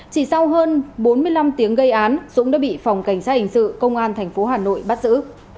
chỉ sau hơn bốn mươi năm tiếng gây án dũng đã bị phòng cảnh sát hình sự công an tp hà nội bắt giữ